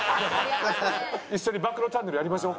一緒に暴露チャンネルやりましょ。